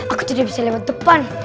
aku tidak bisa lewat depan